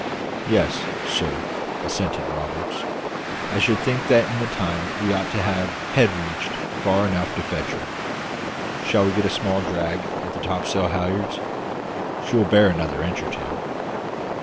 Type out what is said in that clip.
"Yes, sir," assented Roberts; "I should think that in that time we ought to have head reached far enough to fetch her. Shall we get a small drag at the topsail halliards? She will bear another inch or two."